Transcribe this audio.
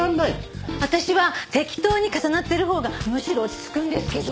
私は適当に重なってるほうがむしろ落ち着くんですけど。